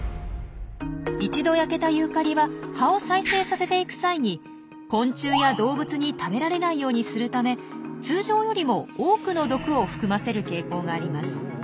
一度焼けたユーカリは葉を再生させていく際に昆虫や動物に食べられないようにするため通常よりも多くの毒を含ませる傾向があります。